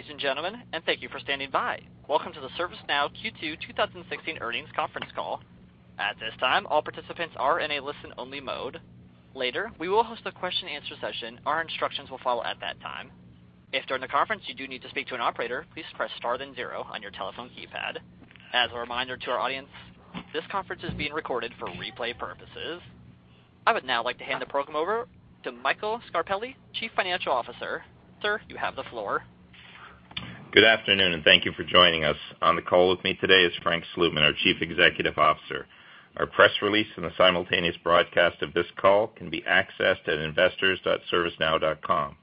Good day, ladies and gentlemen. Thank you for standing by. Welcome to the ServiceNow Q2 2016 earnings conference call. At this time, all participants are in a listen-only mode. Later, we will host a question and answer session. Our instructions will follow at that time. If, during the conference, you do need to speak to an operator, please press star then zero on your telephone keypad. As a reminder to our audience, this conference is being recorded for replay purposes. I would now like to hand the program over to Michael Scarpelli, Chief Financial Officer. Sir, you have the floor. Good afternoon. Thank you for joining us. On the call with me today is Frank Slootman, our Chief Executive Officer. Our press release and the simultaneous broadcast of this call can be accessed at investors.servicenow.com.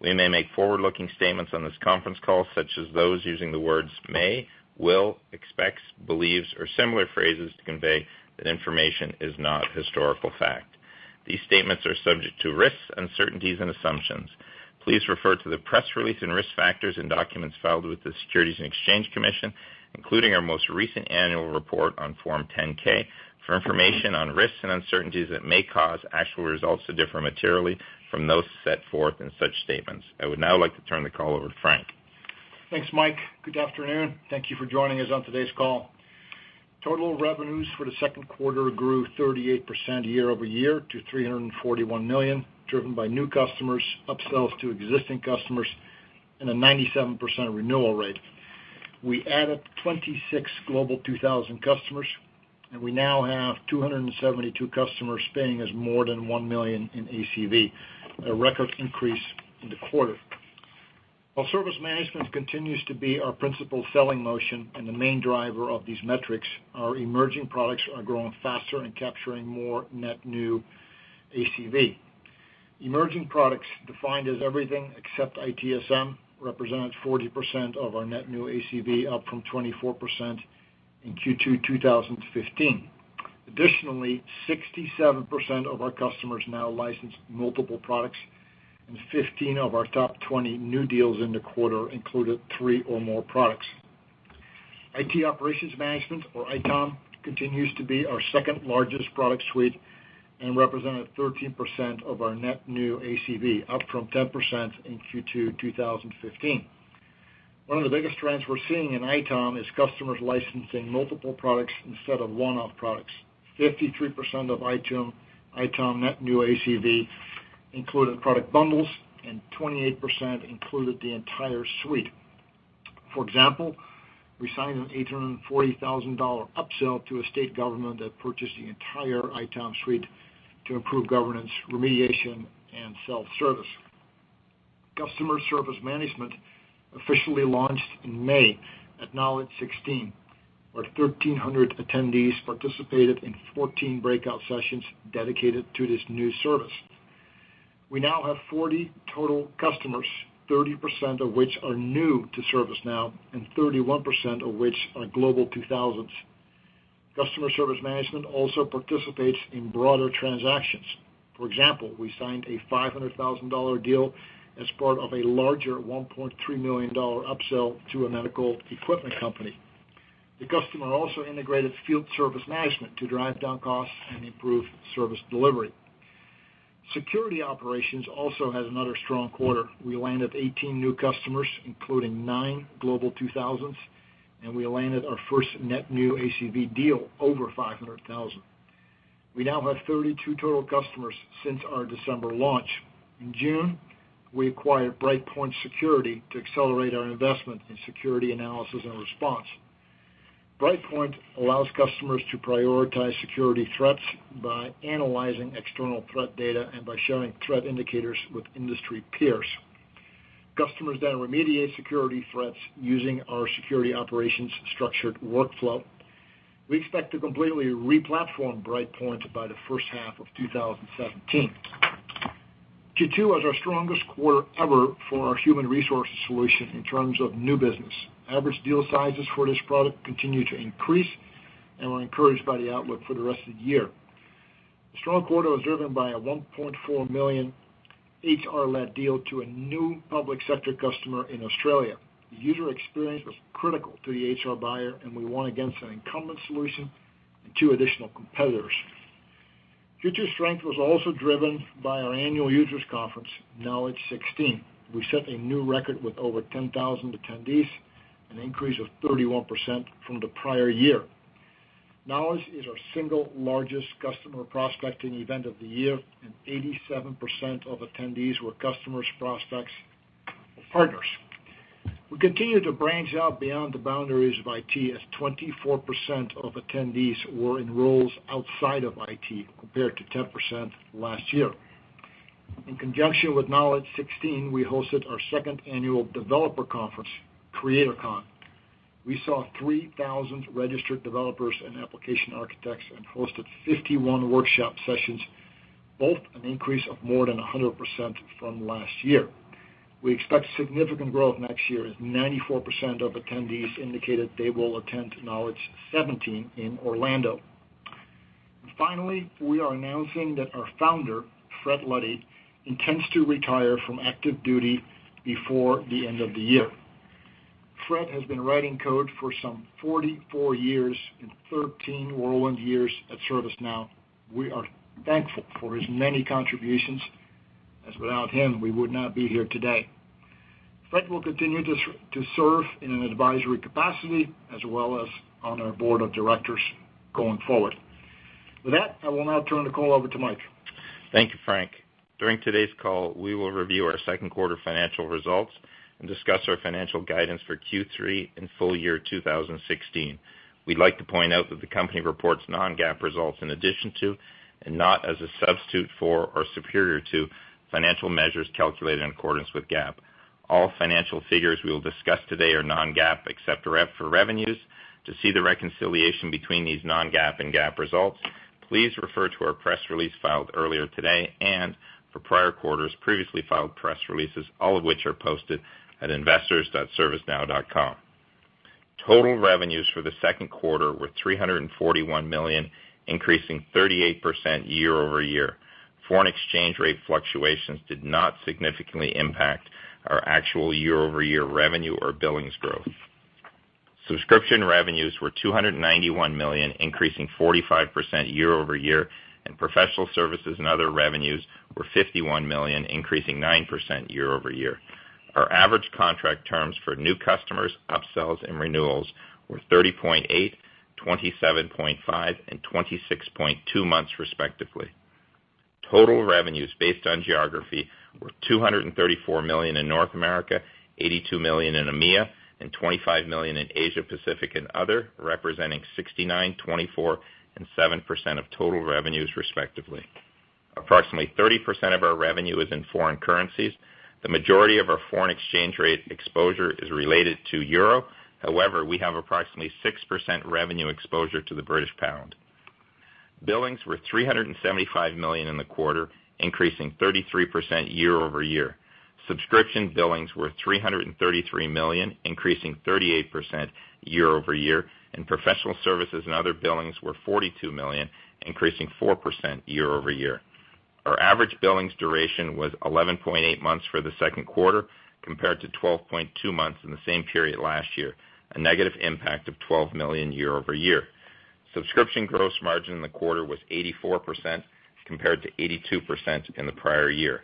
We may make forward-looking statements on this conference call, such as those using the words may, will, expects, believes, or similar phrases to convey that information is not historical fact. These statements are subject to risks, uncertainties, and assumptions. Please refer to the press release and risk factors and documents filed with the Securities and Exchange Commission, including our most recent annual report on Form 10-K, for information on risks and uncertainties that may cause actual results to differ materially from those set forth in such statements. I would now like to turn the call over to Frank. Thanks, Mike. Good afternoon. Thank you for joining us on today's call. Total revenues for the second quarter grew 38% year-over-year to $341 million, driven by new customers, upsells to existing customers, and a 97% renewal rate. We added 26 Global 2000 customers. We now have 272 customers spending us more than $1 million in ACV, a record increase in the quarter. While service management continues to be our principal selling motion and the main driver of these metrics, our emerging products are growing faster and capturing more net new ACV. Emerging products, defined as everything except ITSM, represented 40% of our net new ACV, up from 24% in Q2 2015. Additionally, 67% of our customers now license multiple products. 15 of our top 20 new deals in the quarter included three or more products. IT Operations Management, or ITOM, continues to be our second-largest product suite and represented 13% of our net new ACV, up from 10% in Q2 2015. One of the biggest trends we're seeing in ITOM is customers licensing multiple products instead of one-off products. 53% of ITOM net new ACV included product bundles. 28% included the entire suite. For example, we signed an $840,000 upsell to a state government that purchased the entire ITOM suite to improve governance, remediation, and self-service. Customer Service Management officially launched in May at Knowledge16, where 1,300 attendees participated in 14 breakout sessions dedicated to this new service. We now have 40 total customers, 30% of which are new to ServiceNow. 31% of which are Global 2000s. Customer Service Management also participates in broader transactions. For example, we signed a $500,000 deal as part of a larger $1.3 million upsell to a medical equipment company. The customer also integrated Field Service Management to drive down costs and improve service delivery. Security Operations also has another strong quarter. We landed 18 new customers, including nine Global 2000s, and we landed our first net new ACV deal over $500,000. We now have 32 total customers since our December launch. In June, we acquired BrightPoint Security to accelerate our investment in security analysis and response. BrightPoint allows customers to prioritize security threats by analyzing external threat data and by sharing threat indicators with industry peers. Customers remediate security threats using our Security Operations structured workflow. We expect to completely re-platform BrightPoint by the first half of 2017. Q2 was our strongest quarter ever for our human resource solution in terms of new business. Average deal sizes for this product continue to increase, we're encouraged by the outlook for the rest of the year. The strong quarter was driven by a $1.4 million HR-led deal to a new public sector customer in Australia. The user experience was critical to the HR buyer, we won against an incumbent solution and two additional competitors. Q2 strength was also driven by our annual users conference, Knowledge16. We set a new record with over 10,000 attendees, an increase of 31% from the prior year. Knowledge is our single largest customer prospecting event of the year, 87% of attendees were customers, prospects, or partners. We continue to branch out beyond the boundaries of IT, as 24% of attendees were in roles outside of IT, compared to 10% last year. In conjunction with Knowledge16, we hosted our second annual developer conference, CreatorCon. We saw 3,000 registered developers and application architects hosted 51 workshop sessions, both an increase of more than 100% from last year. We expect significant growth next year, as 94% of attendees indicated they will attend Knowledge17 in Orlando. Finally, we are announcing that our founder, Fred Luddy, intends to retire from active duty before the end of the year. Fred has been writing code for some 44 years and 13 whirlwind years at ServiceNow. We are thankful for his many contributions, as without him, we would not be here today. Fred will continue to serve in an advisory capacity as well as on our board of directors going forward. With that, I will now turn the call over to Mike. Thank you, Frank. During today's call, we will review our second quarter financial results and discuss our financial guidance for Q3 and full year 2016. We'd like to point out that the company reports non-GAAP results in addition to, not as a substitute for or superior to, financial measures calculated in accordance with GAAP. All financial figures we will discuss today are non-GAAP except for revenues. To see the reconciliation between these non-GAAP and GAAP results, please refer to our press release filed earlier today for prior quarters, previously filed press releases, all of which are posted at investors.servicenow.com. Total revenues for the second quarter were $341 million, increasing 38% year-over-year. Foreign exchange rate fluctuations did not significantly impact our actual year-over-year revenue or billings growth. Subscription revenues were $291 million, increasing 45% year-over-year, and professional services and other revenues were $51 million, increasing 9% year-over-year. Our average contract terms for new customers, upsells, and renewals were 30.8, 27.5, and 26.2 months respectively. Total revenues based on geography were $234 million in North America, $82 million in EMEA, and $25 million in Asia Pacific and other, representing 69%, 24%, and 7% of total revenues respectively. Approximately 30% of our revenue is in foreign currencies. The majority of our foreign exchange rate exposure is related to EUR. However, we have approximately 6% revenue exposure to the GBP. Billings were $375 million in the quarter, increasing 33% year-over-year. Subscription billings were $333 million, increasing 38% year-over-year, and professional services and other billings were $42 million, increasing 4% year-over-year. Our average billings duration was 11.8 months for the second quarter, compared to 12.2 months in the same period last year, a negative impact of $12 million year-over-year. Subscription gross margin in the quarter was 84% compared to 82% in the prior year.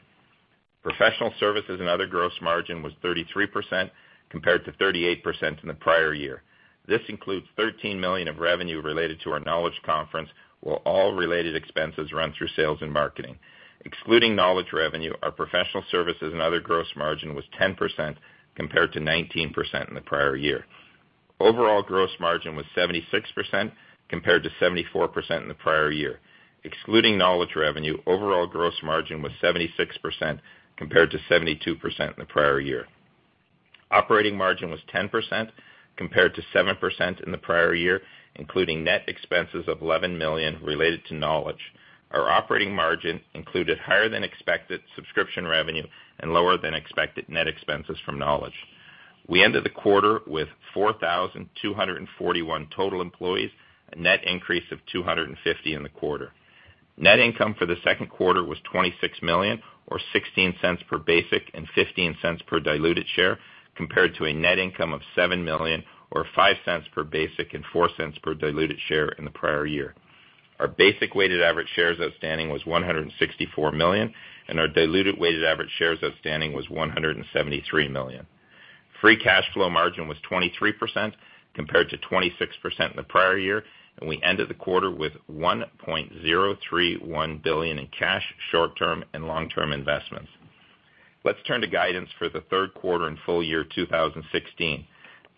Professional services and other gross margin was 33% compared to 38% in the prior year. This includes $13 million of revenue related to our Knowledge conference, where all related expenses run through sales and marketing. Excluding Knowledge revenue, our professional services and other gross margin was 10% compared to 19% in the prior year. Overall gross margin was 76% compared to 74% in the prior year. Excluding Knowledge revenue, overall gross margin was 76% compared to 72% in the prior year. Operating margin was 10% compared to 7% in the prior year, including net expenses of $11 million related to Knowledge. Our operating margin included higher than expected subscription revenue and lower than expected net expenses from Knowledge. We ended the quarter with 4,241 total employees, a net increase of 250 in the quarter. Net income for the second quarter was $26 million, or $0.16 per basic and $0.15 per diluted share, compared to a net income of $7 million or $0.05 per basic and $0.04 per diluted share in the prior year. Our basic weighted average shares outstanding was 164 million, and our diluted weighted average shares outstanding was 173 million. Free cash flow margin was 23% compared to 26% in the prior year, and we ended the quarter with $1.031 billion in cash, short-term, and long-term investments. Let's turn to guidance for the third quarter and full year 2016.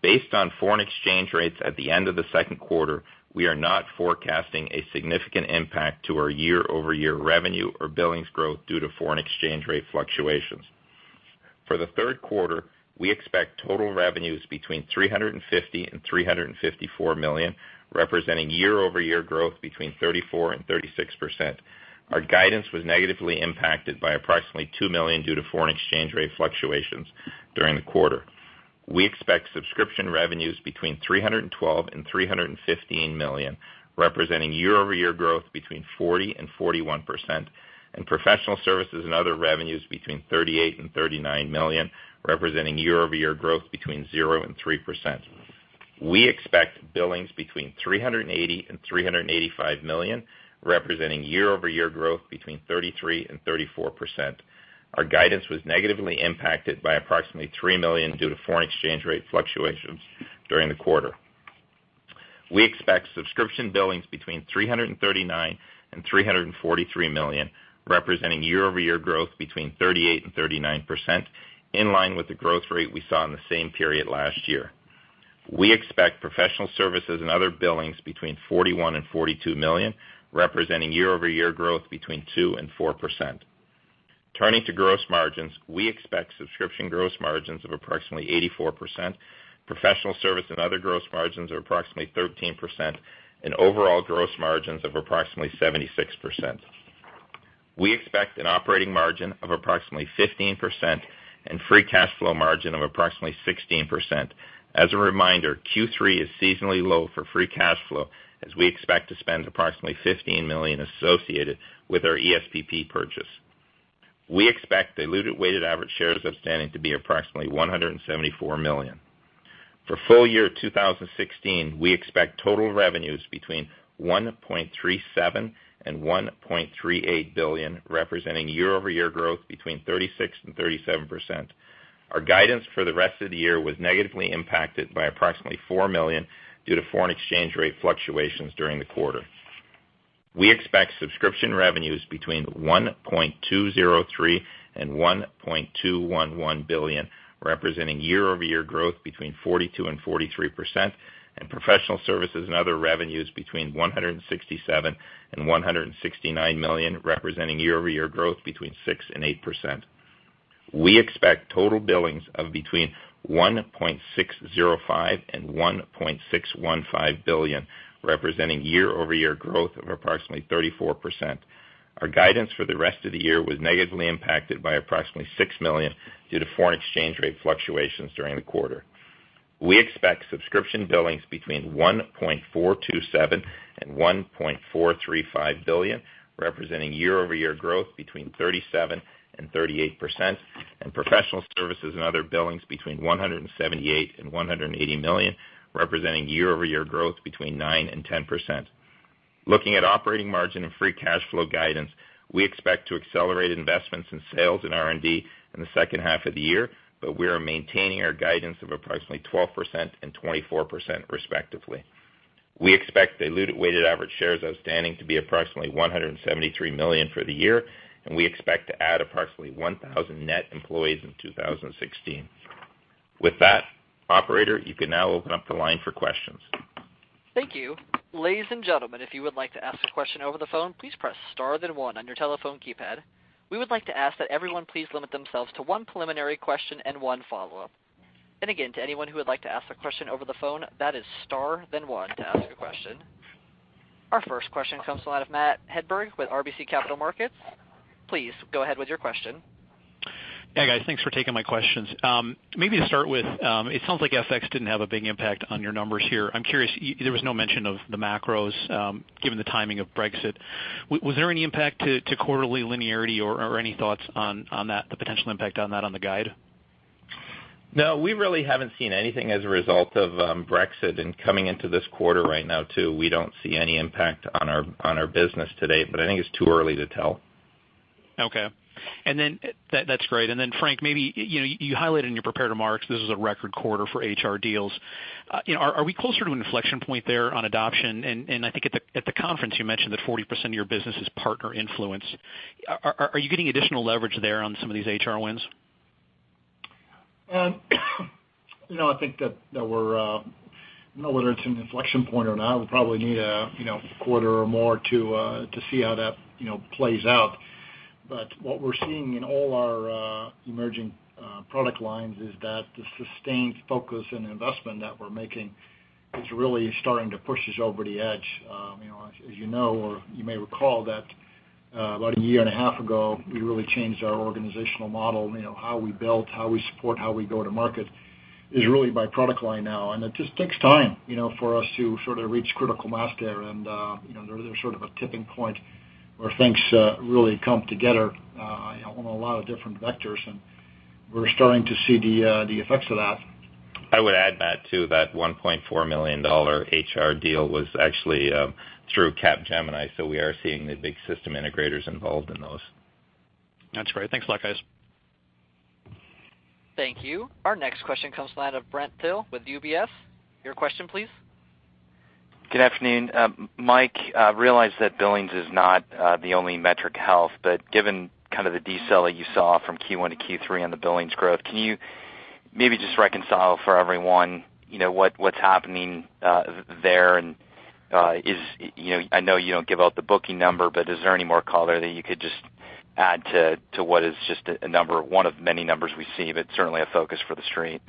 Based on foreign exchange rates at the end of the second quarter, we are not forecasting a significant impact to our year-over-year revenue or billings growth due to foreign exchange rate fluctuations. For the third quarter, we expect total revenues between $350 million and $354 million, representing year-over-year growth between 34% and 36%. Our guidance was negatively impacted by approximately $2 million due to foreign exchange rate fluctuations during the quarter. We expect subscription revenues between $312 million and $315 million, representing year-over-year growth between 40% and 41%, and professional services and other revenues between $38 million and $39 million, representing year-over-year growth between 0% and 3%. We expect billings between $380 million and $385 million, representing year-over-year growth between 33% and 34%. Our guidance was negatively impacted by approximately $3 million due to foreign exchange rate fluctuations during the quarter. We expect subscription billings between $339 million and $343 million, representing year-over-year growth between 38% and 39%, in line with the growth rate we saw in the same period last year. We expect professional services and other billings between $41 million and $42 million, representing year-over-year growth between 2% and 4%. Turning to gross margins, we expect subscription gross margins of approximately 84%, professional service and other gross margins of approximately 13%, and overall gross margins of approximately 76%. We expect an operating margin of approximately 15% and free cash flow margin of approximately 16%. As a reminder, Q3 is seasonally low for free cash flow, as we expect to spend approximately $15 million associated with our ESPP purchase. We expect diluted weighted average shares outstanding to be approximately 174 million. For full year 2016, we expect total revenues between $1.37 billion and $1.38 billion, representing year-over-year growth between 36% and 37%. Our guidance for the rest of the year was negatively impacted by approximately $4 million due to foreign exchange rate fluctuations during the quarter. We expect subscription revenues between $1.203 billion and $1.211 billion, representing year-over-year growth between 42% and 43%, and professional services and other revenues between $167 million and $169 million, representing year-over-year growth between 6% and 8%. We expect total billings of between $1.605 billion and $1.615 billion, representing year-over-year growth of approximately 34%. Our guidance for the rest of the year was negatively impacted by approximately $6 million due to foreign exchange rate fluctuations during the quarter. We expect subscription billings between $1.427 billion and $1.435 billion, representing year-over-year growth between 37% and 38%, and professional services and other billings between $178 million and $180 million, representing year-over-year growth between 9% and 10%. Looking at operating margin and free cash flow guidance, we expect to accelerate investments in sales and R&D in the second half of the year, but we are maintaining our guidance of approximately 12% and 24% respectively. We expect diluted weighted average shares outstanding to be approximately 173 million for the year, and we expect to add approximately 1,000 net employees in 2016. With that, operator, you can now open up the line for questions. Thank you. Ladies and gentlemen, if you would like to ask a question over the phone, please press star then one on your telephone keypad. We would like to ask that everyone please limit themselves to one preliminary question and one follow-up. Again, to anyone who would like to ask a question over the phone, that is star then one to ask a question. Our first question comes to the line of Matt Hedberg with RBC Capital Markets. Please go ahead with your question. Yeah, guys. Thanks for taking my questions. Maybe to start with, it sounds like FX didn't have a big impact on your numbers here. I'm curious, there was no mention of the macros, given the timing of Brexit. Was there any impact to quarterly linearity or any thoughts on the potential impact on that on the guide? No, we really haven't seen anything as a result of Brexit. Coming into this quarter right now, too, we don't see any impact on our business to date, I think it's too early to tell. Okay. That's great. Frank, maybe, you highlighted in your prepared remarks this is a record quarter for HR deals. Are we closer to an inflection point there on adoption? I think at the conference, you mentioned that 40% of your business is partner influence. Are you getting additional leverage there on some of these HR wins? I think that whether it's an inflection point or not, we'll probably need a quarter or more to see how that plays out. What we're seeing in all our emerging product lines is that the sustained focus and investment that we're making is really starting to push us over the edge. As you know, or you may recall that about a year and a half ago, we really changed our organizational model. How we built, how we support, how we go to market is really by product line now. It just takes time for us to sort of reach critical mass there. There's sort of a tipping point where things really come together on a lot of different vectors, and we're starting to see the effects of that. I would add, Matt, to that $1.4 million HR deal was actually through Capgemini. We are seeing the big system integrators involved in those. That's great. Thanks a lot, guys. Thank you. Our next question comes to the line of Brent Thill with UBS. Your question, please. Good afternoon. Mike, I realize that billings is not the only metric health. Given kind of the decel that you saw from Q1 to Q3 on the billings growth, can you maybe just reconcile for everyone what's happening there. I know you don't give out the booking number. Is there any more color that you could just add to what is just one of many numbers we see, but certainly a focus for the Street?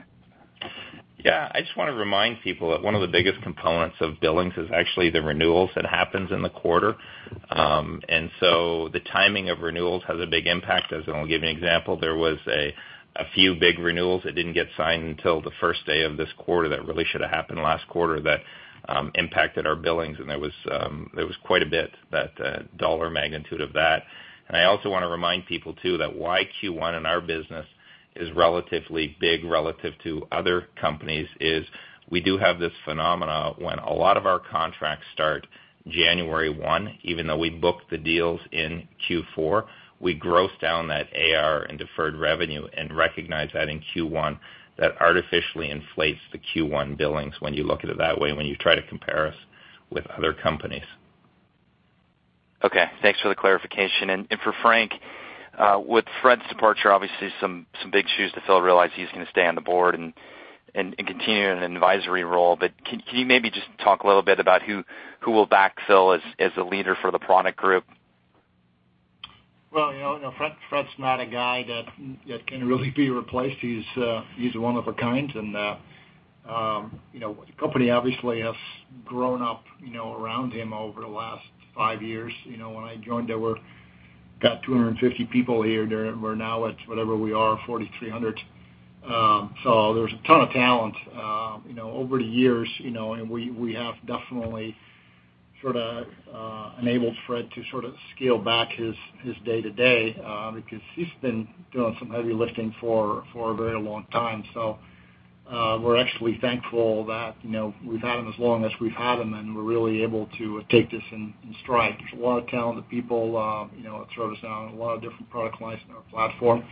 Yeah. I just want to remind people that one of the biggest components of billings is actually the renewals that happens in the quarter. The timing of renewals has a big impact. As an example, there was a few big renewals that didn't get signed until the first day of this quarter that really should've happened last quarter that impacted our billings, and it was quite a bit, that dollar magnitude of that. I also want to remind people, too, that why Q1 in our business is relatively big relative to other companies is we do have this phenomena when a lot of our contracts start January 1, even though we book the deals in Q4. We gross down that AR and deferred revenue and recognize that in Q1. That artificially inflates the Q1 billings when you look at it that way, when you try to compare us with other companies. Okay. Thanks for the clarification. For Frank, with Fred's departure, obviously some big shoes to fill. I realize he's going to stay on the board and continue in an advisory role. Can you maybe just talk a little bit about who will backfill as the leader for the product group? Well, Fred's not a guy that can really be replaced. He's one of a kind, and the company obviously has grown up around him over the last five years. When I joined, they got 250 people here. We're now at whatever we are, 4,300. There's a ton of talent Over the years, and we have definitely enabled Fred to scale back his day-to-day, because he's been doing some heavy lifting for a very long time. We're actually thankful that we've had him as long as we've had him, and we're really able to take this in stride. There's a lot of talented people at ServiceNow, and a lot of different product lines in our platform.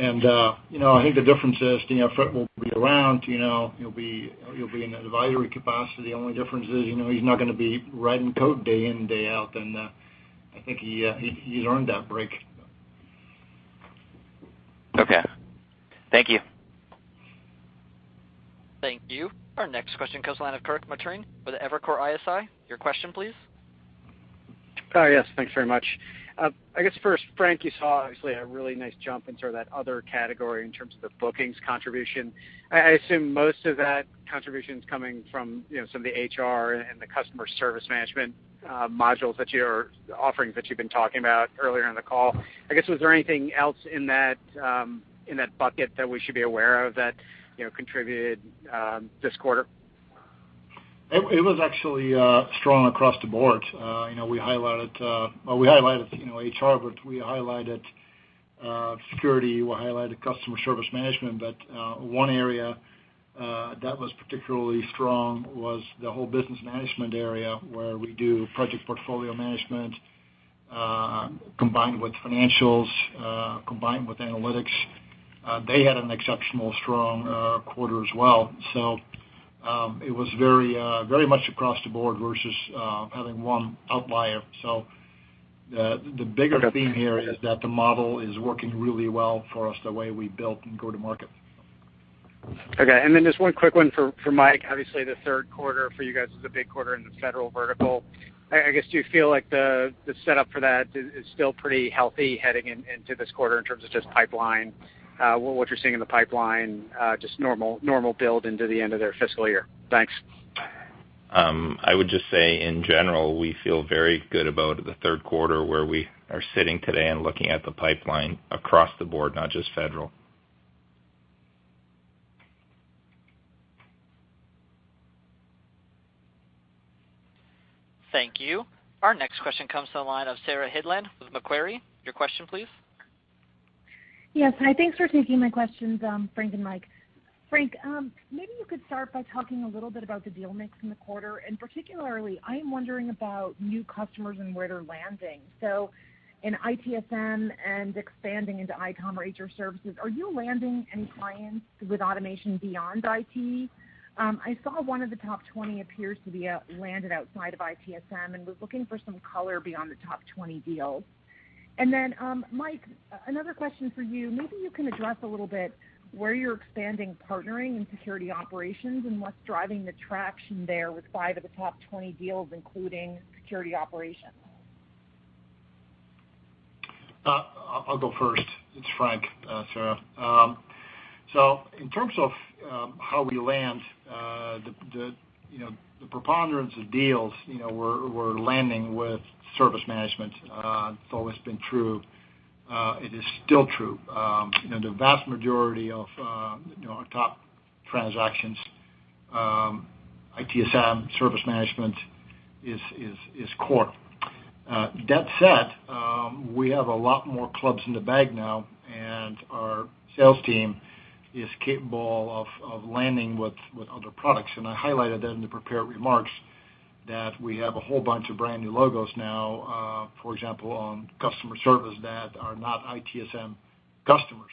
I think the difference is, Fred will be around, he'll be in an advisory capacity. The only difference is he's not going to be writing code day in and day out, and I think he earned that break. Okay. Thank you. Thank you. Our next question comes to the line of Kirk Materne with Evercore ISI. Your question please? Thanks very much. I guess first, Frank, you saw obviously a really nice jump into that other category in terms of the bookings contribution. I assume most of that contribution's coming from some of the HR and the Customer Service Management modules offerings that you've been talking about earlier in the call. I guess was there anything else in that bucket that we should be aware of that contributed this quarter? It was actually strong across the board. We highlighted HR, but we highlighted security, we highlighted Customer Service Management. One area that was particularly strong was the whole business management area, where we do project portfolio management, combined with financials, combined with analytics. They had an exceptionally strong quarter as well. It was very much across the board versus having one outlier. The bigger theme here is that the model is working really well for us, the way we built and go to market. Okay. Just one quick one for Mike. Obviously, the third quarter for you guys is a big quarter in the federal vertical. I guess, do you feel like the setup for that is still pretty healthy heading into this quarter in terms of just what you're seeing in the pipeline, just normal build into the end of their fiscal year? Thanks. I would just say, in general, we feel very good about the third quarter, where we are sitting today and looking at the pipeline across the board, not just federal. Thank you. Our next question comes to the line of Sarah Hindlian with Macquarie. Your question please? Yes. Hi, thanks for taking my questions, Frank and Mike. Frank, maybe you could start by talking a little bit about the deal mix in the quarter, and particularly, I'm wondering about new customers and where they're landing. In ITSM and expanding into ITOM or HR services, are you landing any clients with automation beyond IT? I saw one of the top 20 appears to be landed outside of ITSM and was looking for some color beyond the top 20 deals. Then, Mike, another question for you. Maybe you can address a little bit where you're expanding partnering in Security Operations and what's driving the traction there with five of the top 20 deals, including Security Operations. I'll go first. It's Frank, Sarah. In terms of how we land, the preponderance of deals we're landing with service management. It's always been true. It is still true. The vast majority of our top transactions, ITSM, service management is core. That said, we have a lot more clubs in the bag now, and our sales team is capable of landing with other products. I highlighted that in the prepared remarks that we have a whole bunch of brand-new logos now, for example, on Customer Service Management that are not ITSM customers.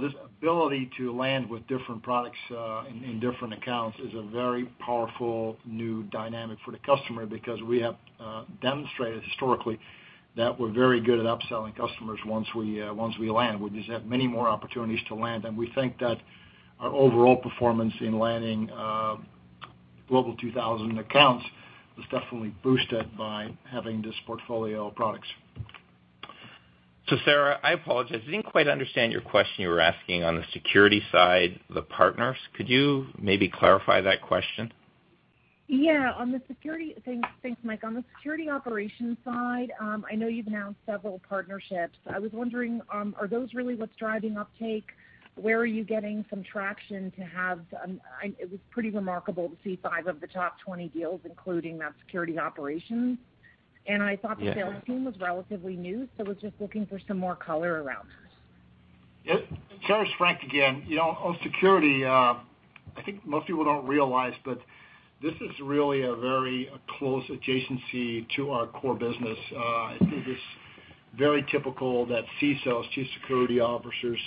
This ability to land with different products in different accounts is a very powerful new dynamic for the customer because we have demonstrated historically that we're very good at upselling customers once we land. We just have many more opportunities to land. We think that our overall performance in landing Global 2000 accounts was definitely boosted by having this portfolio of products. Sarah, I apologize. I didn't quite understand your question you were asking on the security side, the partners. Could you maybe clarify that question? Yeah. Thanks, Mike. On the Security Operations side, I know you have announced several partnerships. I was wondering, are those really what is driving uptake? Where are you getting some traction? It was pretty remarkable to see five of the top 20 deals including that Security Operations. Yeah The sales team was relatively new, was just looking for some more color around this. Yeah. Sarah, it is Frank again. On Security, I think most people do not realize, this is really a very close adjacency to our core business. It is very typical that CISOs, chief security officers,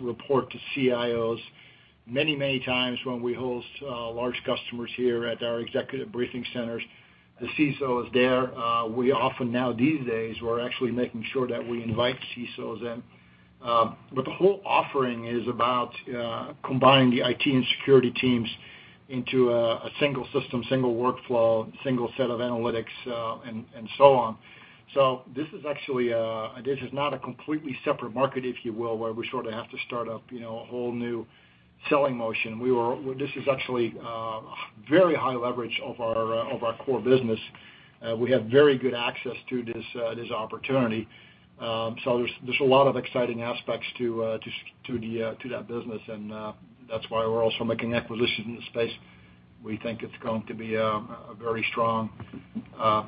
report to CIOs. Many times when we host large customers here at our executive briefing centers, the CISO is there. We often now these days, we are actually making sure that we invite CISOs in. The whole offering is about combining the IT and Security teams into a single system, single workflow, single set of analytics, and so on. This is not a completely separate market, if you will, where we sort of have to start up a whole new selling motion. This is actually very high leverage of our core business. We have very good access to this opportunity. There is a lot of exciting aspects to that business, and that is why we are also making acquisitions in the space. We think it is going to be a very strong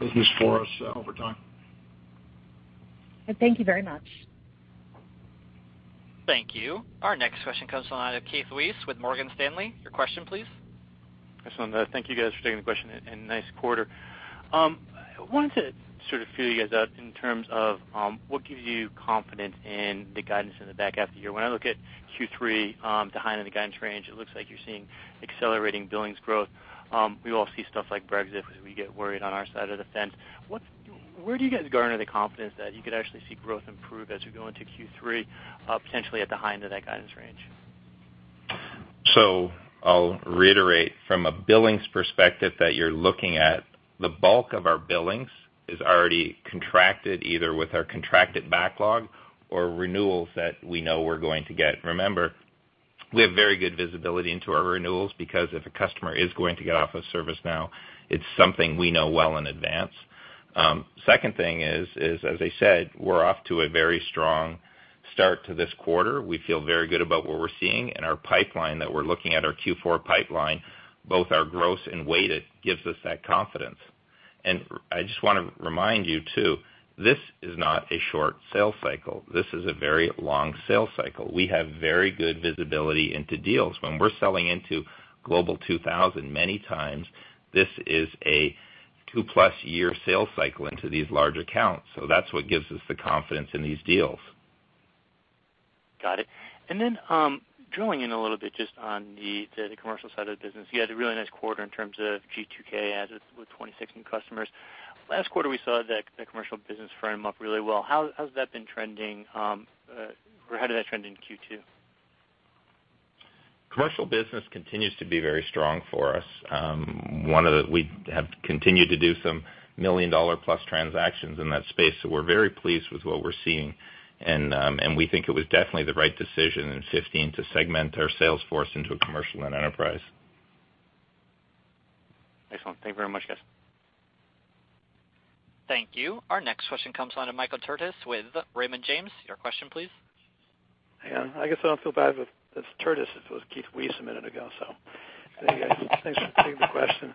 business for us over time. Thank you very much. Thank you. Our next question comes from Keith Weiss with Morgan Stanley. Your question, please. Excellent. Thank you guys for taking the question. Nice quarter. I wanted to sort of feel you guys out in terms of what gives you confidence in the guidance in the back half of the year. When I look at Q3, the high end of the guidance range, it looks like you're seeing accelerating billings growth. We all see stuff like Brexit, we get worried on our side of the fence. Where do you guys garner the confidence that you could actually see growth improve as we go into Q3, potentially at the high end of that guidance range? I'll reiterate from a billings perspective that you're looking at the bulk of our billings is already contracted, either with our contracted backlog or renewals that we know we're going to get. Remember, we have very good visibility into our renewals, because if a customer is going to get off of ServiceNow, it's something we know well in advance. Second thing is, as I said, we're off to a very strong start to this quarter. We feel very good about what we're seeing, and our pipeline that we're looking at, our Q4 pipeline, both our gross and weighted, gives us that confidence. I just want to remind you, too, this is not a short sales cycle. This is a very long sales cycle. We have very good visibility into deals. When we're selling into Global 2000, many times this is a two-plus year sales cycle into these large accounts. That's what gives us the confidence in these deals. Got it. Drilling in a little bit just on the commercial side of the business, you had a really nice quarter in terms of G2K assets with 26 new customers. Last quarter, we saw the commercial business ramp up really well. How has that been trending? How did that trend in Q2? Commercial business continues to be very strong for us. We have continued to do some million-dollar-plus transactions in that space, we're very pleased with what we're seeing. We think it was definitely the right decision in 2015 to segment our sales force into a commercial and enterprise. Excellent. Thank you very much, guys. Thank you. Our next question comes on to Michael Turits with Raymond James. Your question, please. Hang on. I guess I don't feel bad if it's Turits if it was Keith Weiss a minute ago. Hey, guys, thanks for taking the question.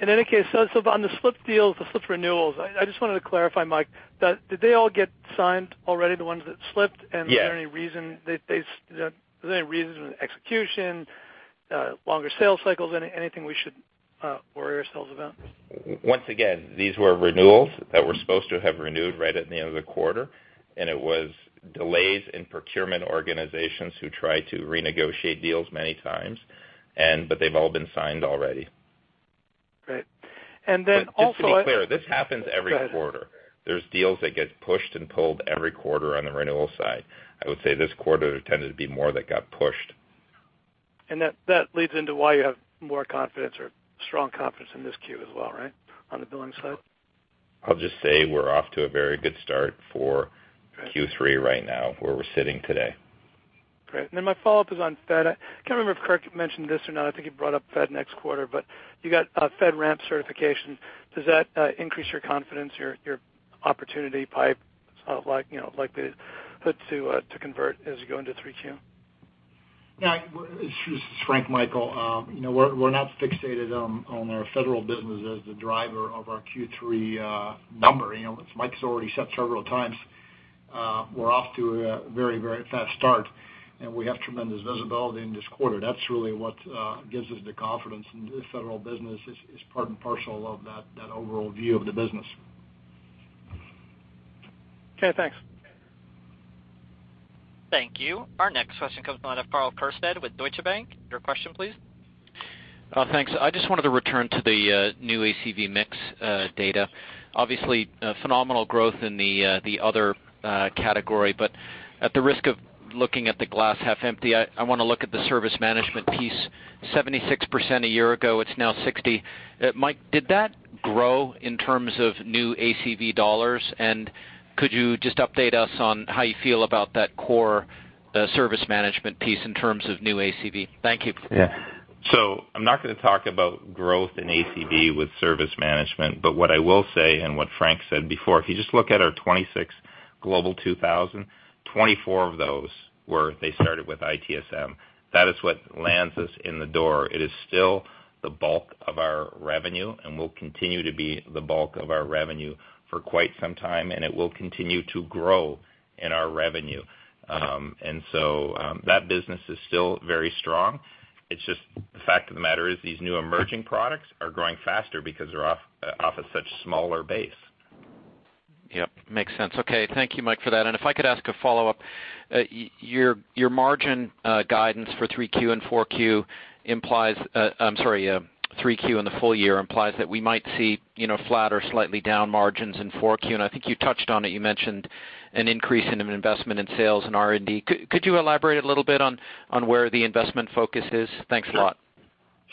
In any case, on the slipped deals, the slipped renewals, I just wanted to clarify, Mike, did they all get signed already, the ones that slipped? Yes. Is there any reason, execution, longer sales cycles, anything we should worry ourselves about? Once again, these were renewals that were supposed to have renewed right at the end of the quarter, it was delays in procurement organizations who try to renegotiate deals many times. They've all been signed already. Great. Just to be clear, this happens every quarter. Go ahead. There's deals that get pushed and pulled every quarter on the renewal side. I would say this quarter there tended to be more that got pushed. That leads into why you have more confidence or strong confidence in this Q as well, right, on the billing side? I'll just say we're off to a very good start for Q3 right now, where we're sitting today. Great. My follow-up is on Fed. I can't remember if Kirk mentioned this or not. I think he brought up Fed next quarter, but you got a FedRAMP certification. Does that increase your confidence, your opportunity pipe likely to convert as you go into 3Q? Yeah. This is Frank, Michael. We're not fixated on our federal business as the driver of our Q3 number. As Mike's already said several times, we're off to a very fast start, and we have tremendous visibility in this quarter. That's really what gives us the confidence, the federal business is part and parcel of that overall view of the business. Okay, thanks. Thank you. Our next question comes by way of Karl Keirstead with Deutsche Bank. Your question, please. Thanks. I just wanted to return to the new ACV mix data. Obviously, phenomenal growth in the other category, but at the risk of looking at the glass half empty, I want to look at the service management piece. 76% a year ago, it's now 60%. Mike, did that grow in terms of new ACV dollars? And could you just update us on how you feel about that core service management piece in terms of new ACV? Thank you. Yeah. I'm not going to talk about growth in ACV with service management. What I will say, and what Frank said before, if you just look at our 26 Global 2000, 24 of those they started with ITSM. That is what lands us in the door. It is still the bulk of our revenue and will continue to be the bulk of our revenue for quite some time, and it will continue to grow in our revenue. That business is still very strong. It's just the fact of the matter is these new emerging products are growing faster because they're off of such smaller base. Yep, makes sense. Okay. Thank you, Mike, for that. If I could ask a follow-up. Your margin guidance for 3Q and the full year implies that we might see flatter, slightly down margins in 4Q. I think you touched on it. You mentioned an increase in investment in sales and R&D. Could you elaborate a little bit on where the investment focus is? Thanks a lot.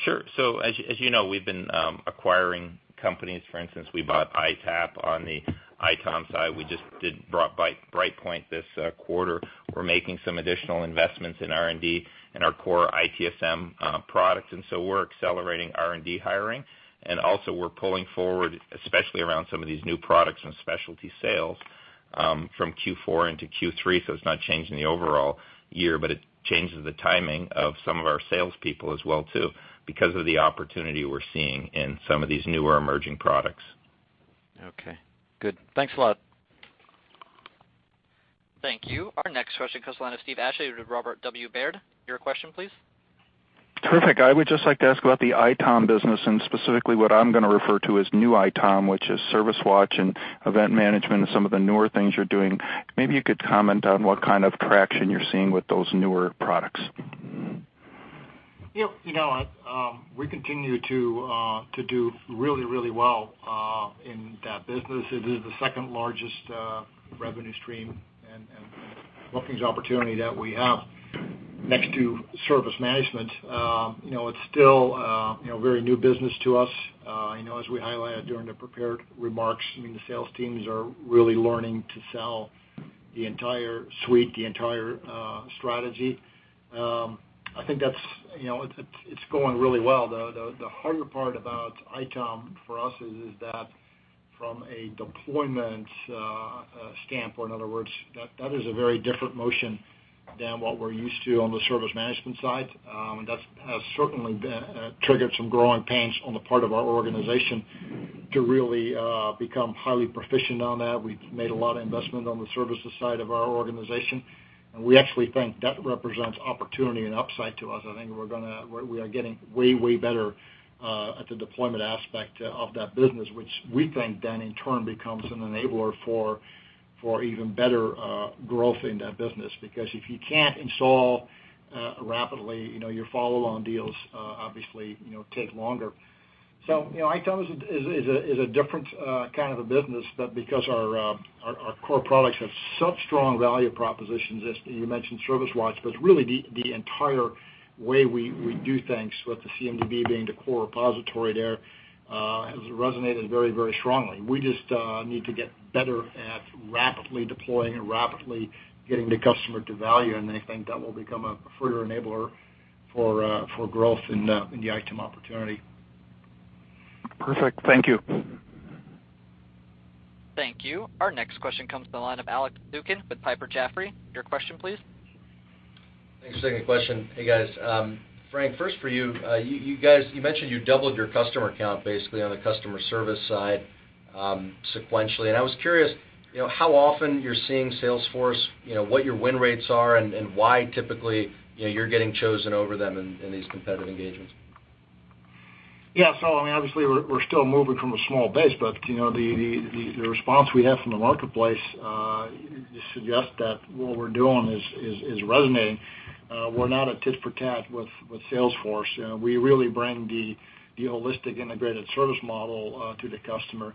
Sure. As you know, we've been acquiring companies. For instance, we bought ITapp on the ITOM side. We just brought BrightPoint this quarter. We're making some additional investments in R&D in our core ITSM products. We're accelerating R&D hiring, and also we're pulling forward, especially around some of these new products from specialty sales, from Q4 into Q3. It's not changing the overall year, but it changes the timing of some of our salespeople as well too, because of the opportunity we're seeing in some of these newer emerging products. Okay, good. Thanks a lot. Thank you. Our next question comes from the line of Steve Ashley with Robert W. Baird. Your question please? Perfect. I would just like to ask about the ITOM business, and specifically what I'm going to refer to as new ITOM, which is ServiceWatch and event management and some of the newer things you're doing. Maybe you could comment on what kind of traction you're seeing with those newer products. We continue to do really well in that business. It is the second-largest revenue stream and bookings opportunity that we have next to service management. It's still a very new business to us. I know as we highlighted during the prepared remarks, the sales teams are really learning to sell the entire suite, the entire strategy. I think it's going really well. The harder part about ITOM for us is that from a deployment standpoint, in other words, that is a very different motion than what we're used to on the service management side. That has certainly triggered some growing pains on the part of our organization to really become highly proficient on that. We've made a lot of investment on the services side of our organization, and we actually think that represents opportunity and upside to us. I think we are getting way better at the deployment aspect of that business, which we think then in turn becomes an enabler for even better growth in that business. Because if you can't install rapidly, your follow-on deals obviously take longer. ITOM is a different kind of a business, but because our core products have such strong value propositions, as you mentioned, ServiceWatch, but really the entire way we do things with the CMDB being the core repository there, has resonated very strongly. We just need to get better at rapidly deploying and rapidly getting the customer to value, and I think that will become a further enabler for growth in the ITOM opportunity. Perfect. Thank you. Thank you. Our next question comes to the line of Alex Zukin with Piper Jaffray. Your question, please. Thanks. Second question. Hey, guys. Frank, first for you. You mentioned you doubled your customer count, basically, on the customer service side sequentially. I was curious how often you're seeing Salesforce, what your win rates are, and why typically you're getting chosen over them in these competitive engagements. Yeah. Obviously we're still moving from a small base, but the response we have from the marketplace suggests that what we're doing is resonating. We're not a tit for tat with Salesforce. We really bring the holistic integrated service model to the customer,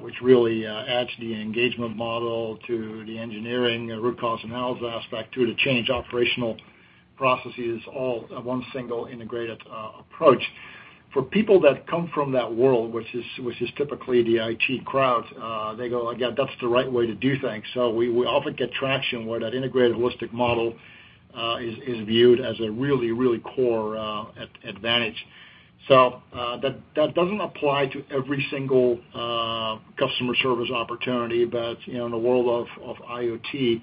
which really adds the engagement model to the engineering root cause analysis aspect too, to change operational processes, all one single integrated approach. For people that come from that world, which is typically the IT crowd, they go, "Yeah, that's the right way to do things." We often get traction where that integrated holistic model is viewed as a really core advantage. That doesn't apply to every single customer service opportunity, but in the world of IoT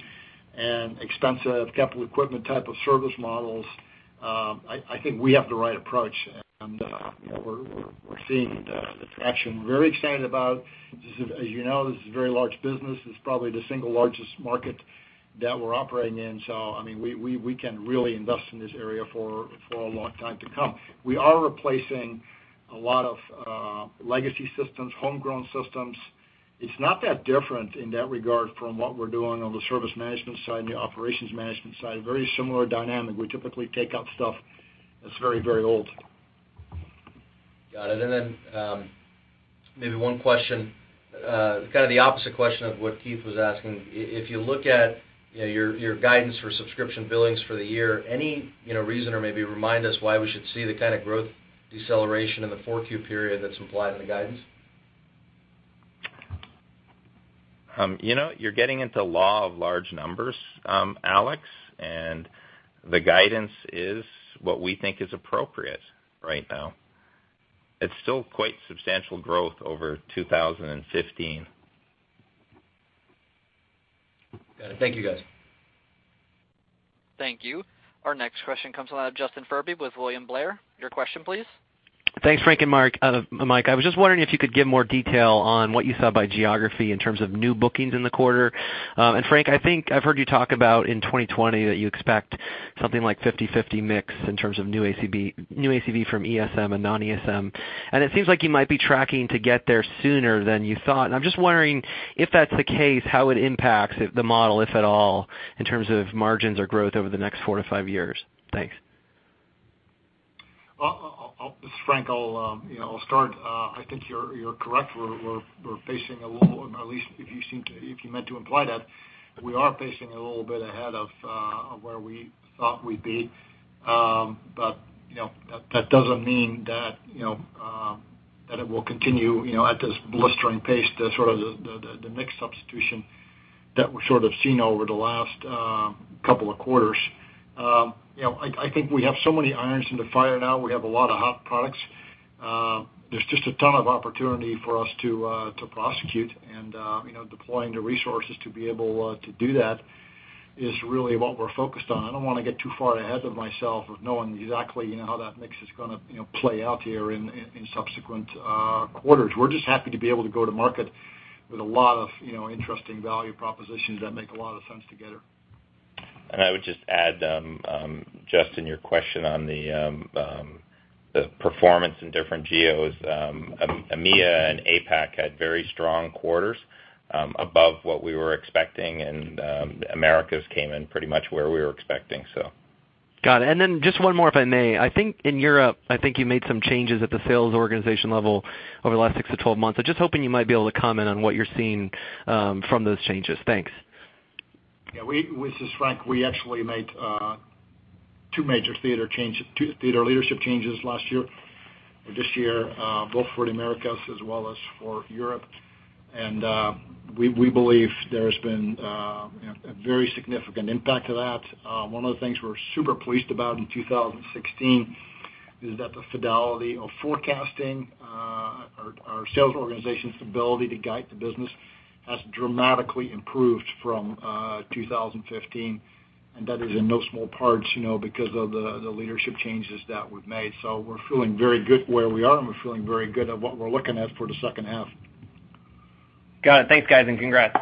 and expensive capital equipment type of service models, I think we have the right approach, and we're seeing the traction. Very excited about it. As you know, this is a very large business. It's probably the single largest market that we're operating in. We can really invest in this area for a long time to come. We are replacing a lot of legacy systems, homegrown systems. It's not that different in that regard from what we're doing on the service management side and the operations management side. Very similar dynamic. We typically take out stuff that's very old. Got it. Then maybe one question, kind of the opposite question of what Keith Weiss was asking. If you look at your guidance for subscription billings for the year, any reason, or maybe remind us why we should see the kind of growth deceleration in the 4Q period that's implied in the guidance? You're getting into law of large numbers, Alex Zukin, the guidance is what we think is appropriate right now. It's still quite substantial growth over 2015. Got it. Thank you, guys. Thank you. Our next question comes from the line of Justin Furby with William Blair. Your question, please. Thanks, Frank and Mike. I was just wondering if you could give more detail on what you saw by geography in terms of new bookings in the quarter. Frank, I think I've heard you talk about in 2020 that you expect something like 50/50 mix in terms of new ACV from ESM and non-ESM. I'm just wondering if that's the case, how it impacts the model, if at all, in terms of margins or growth over the next four to five years. Thanks. This is Frank. I'll start. I think you're correct. We're pacing along, at least if you meant to imply that, we are pacing a little bit ahead of where we thought we'd be. That doesn't mean that it will continue at this blistering pace, the mixed substitution that we've seen over the last couple of quarters. I think we have so many irons in the fire now. We have a lot of hot products. There's just a ton of opportunity for us to prosecute and deploying the resources to be able to do that is really what we're focused on. I don't want to get too far ahead of myself of knowing exactly how that mix is going to play out here in subsequent quarters. We're just happy to be able to go to market with a lot of interesting value propositions that make a lot of sense together. I would just add, Justin, your question on the performance in different geos. EMEA and APAC had very strong quarters above what we were expecting, and Americas came in pretty much where we were expecting. Got it. Just one more, if I may. I think in Europe, I think you made some changes at the sales organization level over the last six to 12 months. I'm just hoping you might be able to comment on what you're seeing from those changes. Thanks. Yeah. This is Frank. We actually made two major theater leadership changes last year or this year, both for the Americas as well as for Europe. We believe there's been a very significant impact to that. One of the things we're super pleased about in 2016 is that the fidelity of forecasting our sales organization's ability to guide the business has dramatically improved from 2015. That is in no small parts because of the leadership changes that we've made. We're feeling very good where we are. We're feeling very good at what we're looking at for the second half. Got it. Thanks, guys. Congrats.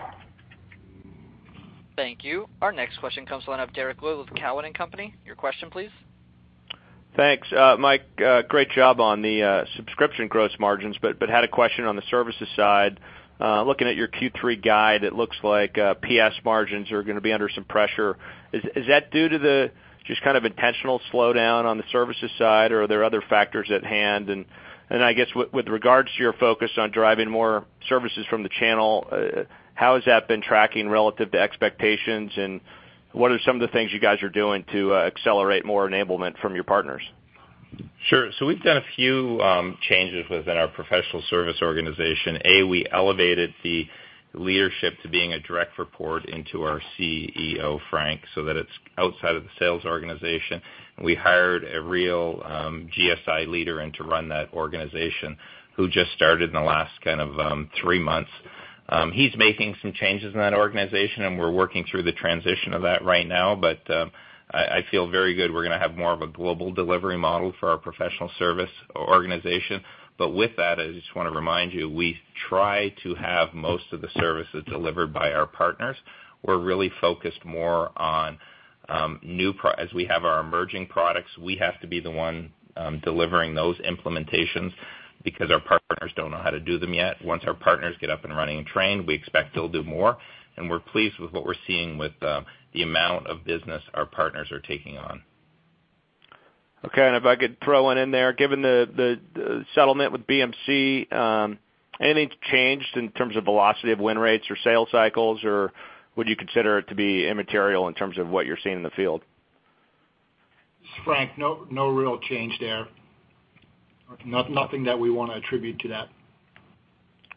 Thank you. Our next question comes line of Derrick Wood with Cowen and Company. Your question, please. Thanks. Mike, great job on the subscription gross margins. Had a question on the services side. Looking at your Q3 guide, it looks like PS margins are going to be under some pressure. Is that due to the just kind of intentional slowdown on the services side? Are there other factors at hand? I guess with regards to your focus on driving more services from the channel, how has that been tracking relative to expectations? What are some of the things you guys are doing to accelerate more enablement from your partners? Sure. We've done a few changes within our professional service organization. A, we elevated the leadership to being a direct report into our CEO, Frank, so that it's outside of the sales organization. We hired a real GSI leader in to run that organization, who just started in the last three months. He's making some changes in that organization, and we're working through the transition of that right now. I feel very good we're going to have more of a global delivery model for our professional service organization. With that, I just want to remind you, we try to have most of the services delivered by our partners. We're really focused more on as we have our emerging products, we have to be the one delivering those implementations because our partners don't know how to do them yet. Once our partners get up and running and trained, we expect they'll do more, and we're pleased with what we're seeing with the amount of business our partners are taking on. Okay, if I could throw one in there. Given the settlement with BMC, anything changed in terms of velocity of win rates or sales cycles, or would you consider it to be immaterial in terms of what you're seeing in the field? This is Frank. No real change there. Nothing that we want to attribute to that.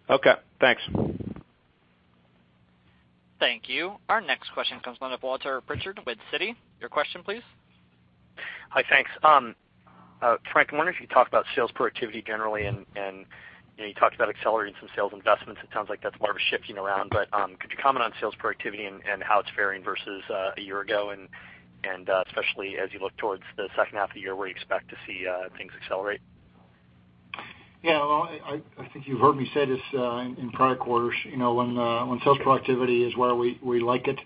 Okay, thanks. Thank you. Our next question comes from the line of Walter Pritchard with Citi. Your question, please. Hi, thanks. Frank, I'm wondering if you talk about sales productivity generally and you talked about accelerating some sales investments. It sounds like that's more of a shifting around. Could you comment on sales productivity and how it's varying versus a year ago, and especially as you look towards the second half of the year, where you expect to see things accelerate? Well, I think you've heard me say this in prior quarters. When sales productivity is where we like it,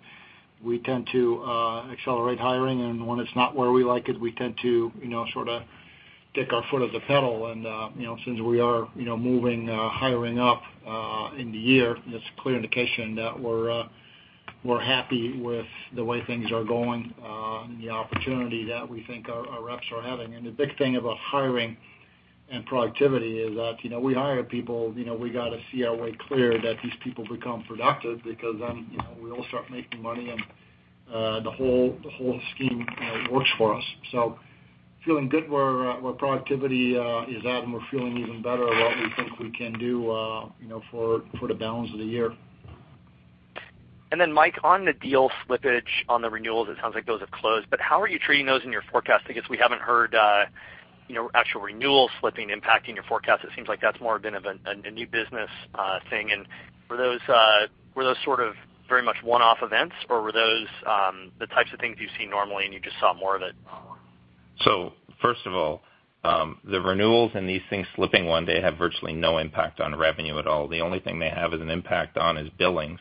we tend to accelerate hiring, and when it's not where we like it, we tend to sort of take our foot off the pedal. Since we are moving hiring up in the year, that's a clear indication that we're happy with the way things are going and the opportunity that we think our reps are having. The big thing about hiring and productivity is that we hire people, we got to see our way clear that these people become productive because then we all start making money, and the whole scheme works for us. Feeling good where our productivity is at, and we're feeling even better at what we think we can do for the balance of the year. Mike, on the deal slippage on the renewals, it sounds like those have closed, but how are you treating those in your forecast? I guess we haven't heard actual renewal slipping impacting your forecast. It seems like that's more been of a new business thing. Were those sort of very much one-off events, or were those the types of things you see normally and you just saw more of it? First of all, the renewals and these things slipping one day have virtually no impact on revenue at all. The only thing they have is an impact on is billings.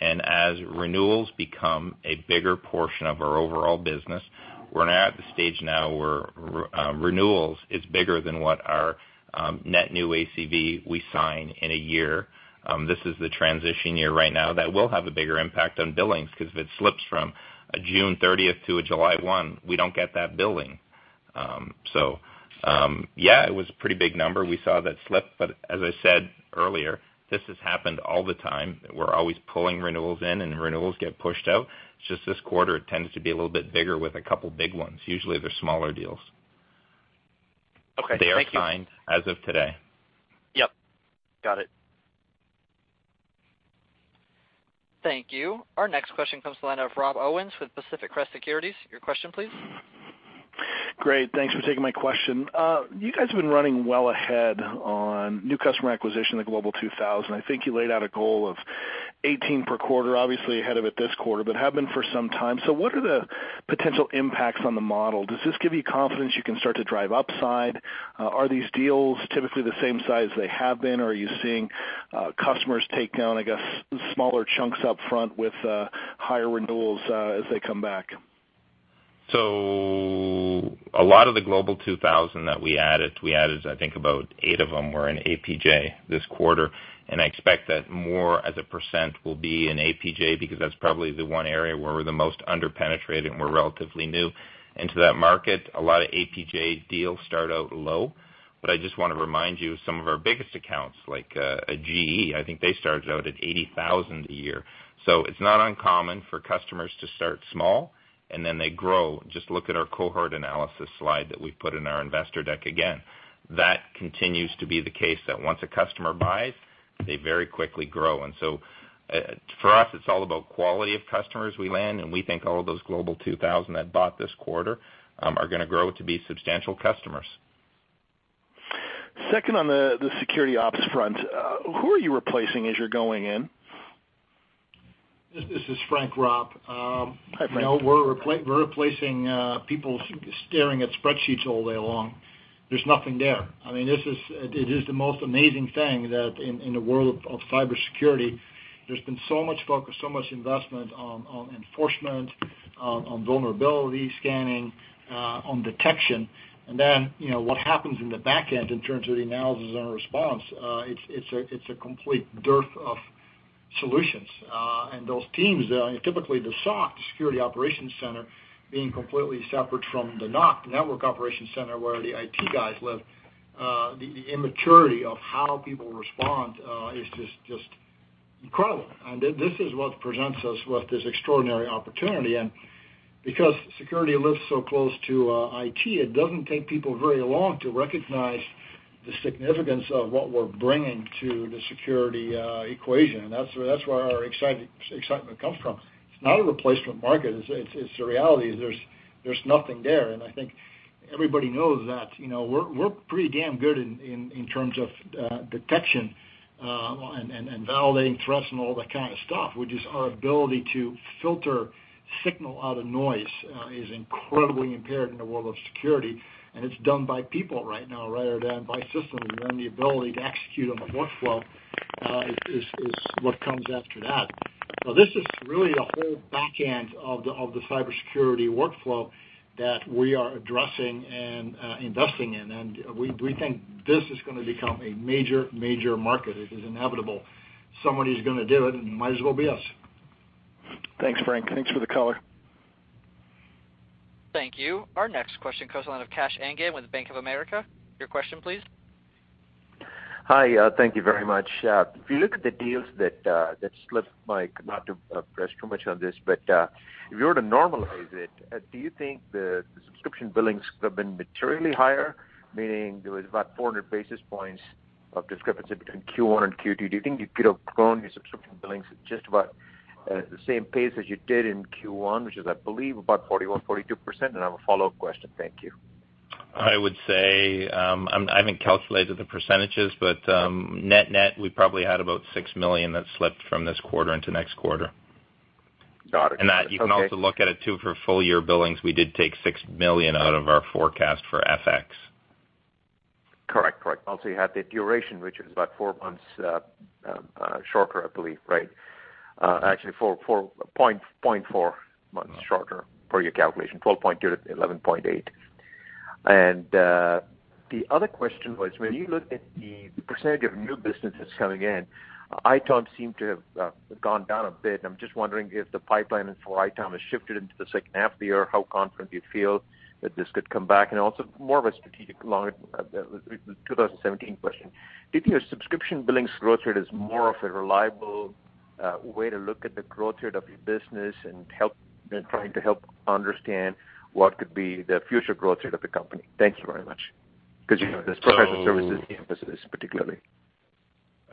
As renewals become a bigger portion of our overall business, we're now at the stage now where renewals is bigger than what our net new ACV we sign in a year. This is the transition year right now that will have a bigger impact on billings because if it slips from a June 30th to a July 1, we don't get that billing. Yeah, it was a pretty big number. We saw that slip, but as I said earlier, this has happened all the time. We're always pulling renewals in, and renewals get pushed out. It's just this quarter, it tends to be a little bit bigger with a couple big ones. Usually, they're smaller deals. Okay. Thank you. They are signed as of today. Yep. Got it. Thank you. Our next question comes to the line of Rob Owens with Pacific Crest Securities. Your question please. Great. Thanks for taking my question. You guys have been running well ahead on new customer acquisition, the Global 2000. I think you laid out a goal of 18 per quarter, obviously ahead of it this quarter, but have been for some time. What are the potential impacts on the model? Does this give you confidence you can start to drive upside? Are these deals typically the same size they have been, or are you seeing customers take down, I guess, smaller chunks up front with higher renewals as they come back? A lot of the Global 2000 that we added, I think about eight of them were in APJ this quarter, and I expect that more as a percent will be in APJ because that's probably the one area where we're the most under-penetrated and we're relatively new into that market. A lot of APJ deals start out low. I just want to remind you, some of our biggest accounts, like GE, I think they started out at 80,000 a year. It's not uncommon for customers to start small and then they grow. Just look at our cohort analysis slide that we put in our investor deck. Again, that continues to be the case that once a customer buys, they very quickly grow. For us, it's all about quality of customers we land, and we think all of those Global 2000 that bought this quarter are going to grow to be substantial customers. Second on the Security Ops front, who are you replacing as you're going in? This is Frank Slootman. Hi, Frank. We're replacing people staring at spreadsheets all day long. There's nothing there. It is the most amazing thing that in the world of cybersecurity, there's been so much focus, so much investment on enforcement, on vulnerability scanning, on detection. Then, what happens in the back end in terms of the analysis and response, it's a complete dearth of solutions. Those teams, typically the SOC, the security operations center, being completely separate from the NOC, the network operation center, where the IT guys live. The immaturity of how people respond is just incredible. This is what presents us with this extraordinary opportunity. Because security lives so close to IT, it doesn't take people very long to recognize the significance of what we're bringing to the security equation. That's where our excitement comes from. It's not a replacement market, it's the reality is there's nothing there. I think everybody knows that. We're pretty damn good in terms of detection and validating threats and all that kind of stuff, which is our ability to filter signal out of noise is incredibly impaired in the world of security, and it's done by people right now rather than by systems. Then the ability to execute on the workflow is what comes after that. This is really the whole back end of the cybersecurity workflow that we are addressing and investing in, and we think this is going to become a major market. It is inevitable. Somebody's going to do it, and it might as well be us. Thanks, Frank. Thanks for the color. Thank you. Our next question comes to the line of Kash Rangan with Bank of America. Your question please. Hi. Thank you very much. If you look at the deals that slipped, Mike, not to press too much on this, but if you were to normalize it, do you think the subscription billings could have been materially higher, meaning there was about 400 basis points of discrepancy between Q1 and Q2? Do you think you could have grown your subscription billings at just about the same pace as you did in Q1, which is, I believe, about 41%, 42%? I have a follow-up question. Thank you. I would say, I haven't calculated the percentages, but net, we probably had about $6 million that slipped from this quarter into next quarter. Got it. Okay. That you can also look at it, too, for full year billings, we did take $6 million out of our forecast for FX. Correct. You had the duration, which is about 4 months shorter, I believe, right? Actually, 0.4 months shorter per your calculation, 12.2 to 11.8. The other question was, when you look at the percentage of new businesses coming in, ITOM seem to have gone down a bit, and I'm just wondering if the pipeline for ITOM has shifted into the second half of the year. How confident do you feel that this could come back? Also more of a strategic 2017 question. Do you think your subscription billings growth rate is more of a reliable way to look at the growth rate of your business and trying to help understand what could be the future growth rate of the company? Thank you very much. The professional services emphasis particularly.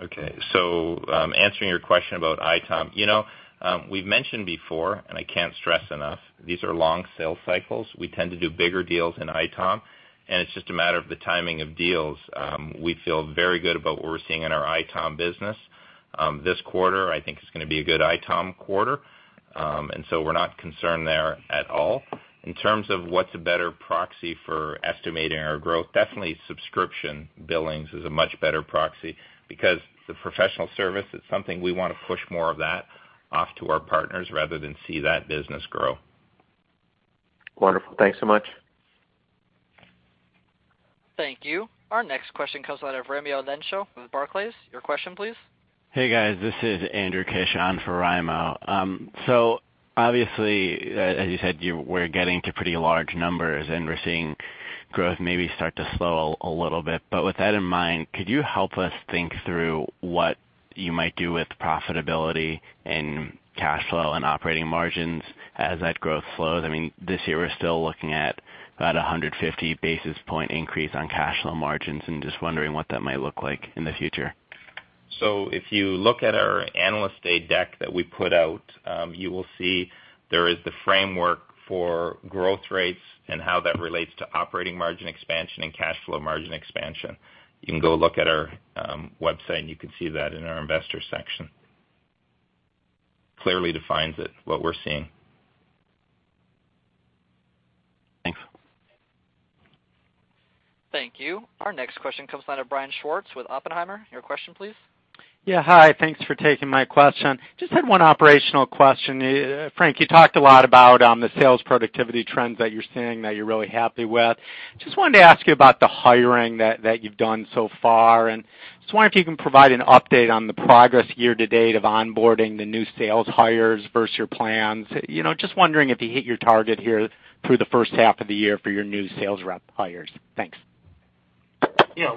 Okay. Answering your question about ITOM. We've mentioned before, and I can't stress enough, these are long sales cycles. We tend to do bigger deals in ITOM, and it's just a matter of the timing of deals. We feel very good about what we're seeing in our ITOM business. This quarter, I think is going to be a good ITOM quarter. We're not concerned there at all. In terms of what's a better proxy for estimating our growth, definitely subscription billings is a much better proxy because the professional service is something we want to push more of that off to our partners rather than see that business grow. Wonderful. Thanks so much. Thank you. Our next question comes out of Raimo Lenschow with Barclays. Your question, please. Hey, guys. This is Andrew Kisch on for Raimo. Obviously, as you said, we're getting to pretty large numbers, and we're seeing growth maybe start to slow a little bit. With that in mind, could you help us think through what you might do with profitability and cash flow and operating margins as that growth slows? This year, we're still looking at about 150 basis point increase on cash flow margins and just wondering what that might look like in the future. If you look at our Analyst Day deck that we put out, you will see there is the framework for growth rates and how that relates to operating margin expansion and cash flow margin expansion. You can go look at our website, and you can see that in our investor section. Clearly defines it, what we're seeing. Thanks. Thank you. Our next question comes line of Brian Schwartz with Oppenheimer. Your question, please. Yeah, hi. Thanks for taking my question. Just had one operational question. Frank, you talked a lot about the sales productivity trends that you're seeing that you're really happy with. Just wanted to ask you about the hiring that you've done so far, and just wonder if you can provide an update on the progress year-to-date of onboarding the new sales hires versus your plans. Just wondering if you hit your target here through the first half of the year for your new sales rep hires. Thanks. Yeah.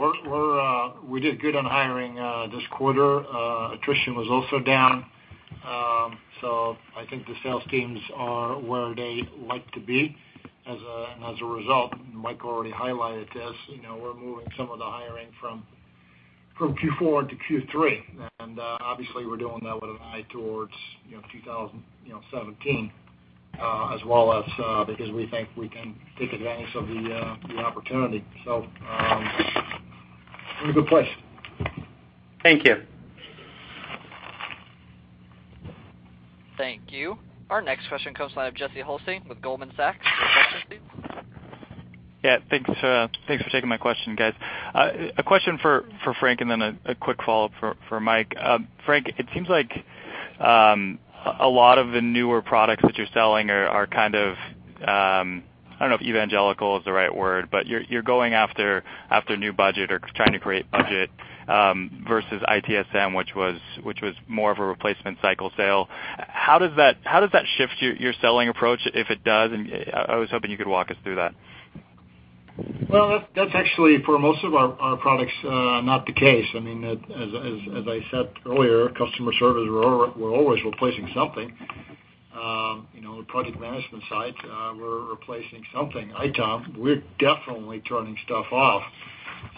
We did good on hiring this quarter. Attrition was also down. I think the sales teams are where they like to be. As a result, Mike already highlighted this, we're moving some of the hiring from Q4 to Q3, and obviously, we're doing that with an eye towards 2017, as well as because we think we can take advantage of the opportunity. We're in a good place. Thank you. Thank you. Our next question comes line of Jesse Hulsing with Goldman Sachs. Your question, please. Yeah, thanks for taking my question, guys. A question for Frank and then a quick follow-up for Mike. Frank, it seems like a lot of the newer products that you're selling are, I don't know if evangelical is the right word, but you're going after new budget or trying to create budget versus ITSM, which was more of a replacement cycle sale. How does that shift your selling approach, if it does? I was hoping you could walk us through that. Well, that's actually, for most of our products, not the case. As I said earlier, customer service, we're always replacing something. The product management side, we're replacing something. ITOM, we're definitely turning stuff off.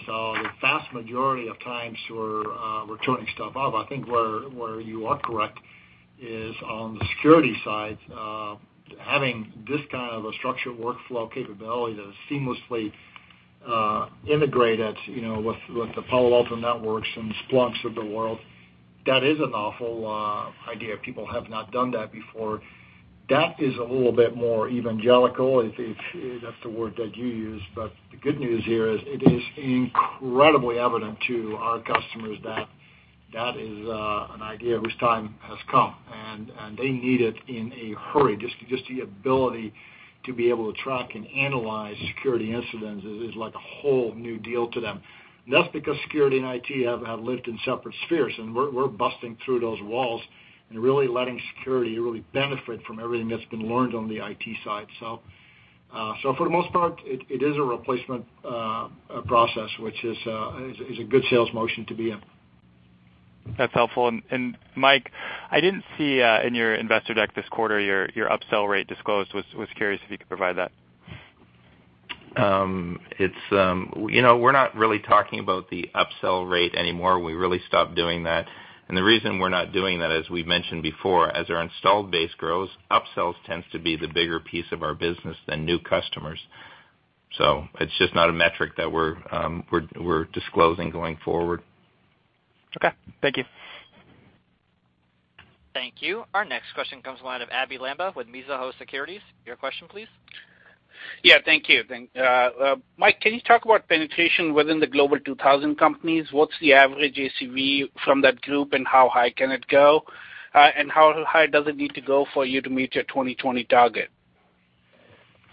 The vast majority of times, we're turning stuff off. I think where you are correct is on the security side. Having this kind of a structured workflow capability that is seamlessly integrated with the Palo Alto Networks and Splunks of the world, that is an awful idea. People have not done that before. That is a little bit more evangelical, if that's the word that you used. The good news here is it is incredibly evident to our customers that that is an idea whose time has come, and they need it in a hurry. Just the ability to be able to track and analyze security incidents is like a whole new deal to them. That's because security and IT have lived in separate spheres, and we're busting through those walls and really letting security really benefit from everything that's been learned on the IT side. For the most part, it is a replacement process, which is a good sales motion to be in. That's helpful. Mike, I didn't see in your investor deck this quarter your upsell rate disclosed. Was curious if you could provide that. We're not really talking about the upsell rate anymore. We really stopped doing that. The reason we're not doing that, as we've mentioned before, as our installed base grows, upsells tends to be the bigger piece of our business than new customers. It's just not a metric that we're disclosing going forward. Okay. Thank you. Thank you. Our next question comes line of Abhey Lamba with Mizuho Securities. Your question, please. Yeah, thank you. Mike, can you talk about penetration within the Global 2000 companies? What's the average ACV from that group, how high can it go? How high does it need to go for you to meet your 2020 target?